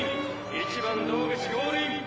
１番洞口ゴールイン。